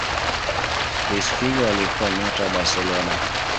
Luis Figo alikuwa nyota wa barcelona